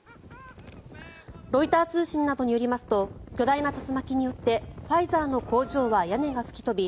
ロイター通信などによりますと巨大な竜巻によってファイザーの工場は屋根が吹き飛び